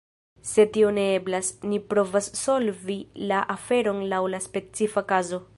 Se tio ne eblas, ni provas solvi la aferon laŭ la specifa kazo.